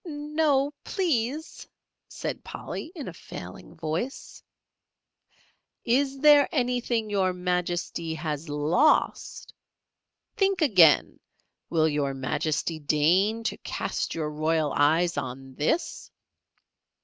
"No, please," said Polly, in a failing voice. "Is there anything Your Majesty has lost? Think again! Will Your Majesty deign to cast your royal eyes on this?"